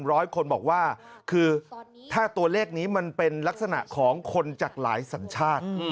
ร้อยคนบอกว่าคือถ้าตัวเลขนี้มันเป็นลักษณะของคนจากหลายสัญชาติ